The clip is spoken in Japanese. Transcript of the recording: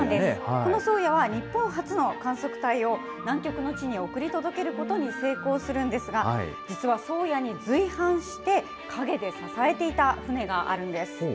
この宗谷は、日本初の観測隊を南極の地に送り届けることに成功するんですが、実は宗谷に随伴して陰で支えていた船があるんです。